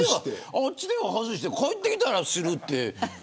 あっちでは外して帰ってきたらするって。